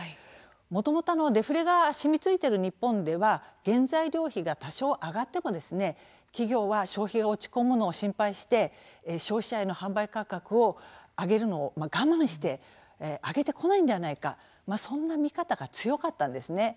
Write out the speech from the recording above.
もともとのデフレがしみついている日本では原材料費が多少、上がっても企業は消費が落ち込むのを心配して消費者への販売価格を上げるのを我慢して上げてこないのではないかそんな見方が強かったんですね。